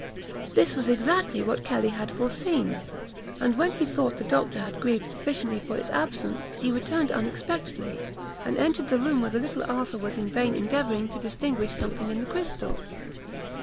This was exactly what Kelly had foreseen; and, when he thought the doctor had grieved sufficiently for his absence, he returned unexpectedly, and entered the room where the little Arthur was in vain endeavouring to distinguish something in the crystal.